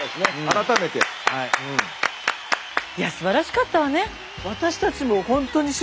いやすばらしかったわね。